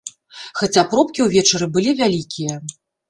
Хаця пробкі ўвечары былі вялікія.